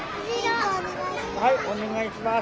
はいお願いします。